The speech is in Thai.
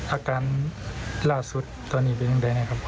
อาการล่าสุดตอนนี้เป็นอย่างไรนะครับ